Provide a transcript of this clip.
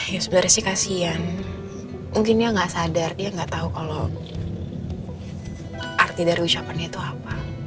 ya sebenarnya sih kasian mungkin dia nggak sadar dia nggak tahu kalau arti dari ucapannya itu apa